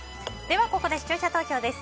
ここで視聴者投票です。